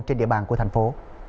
trên địa bàn của thành phố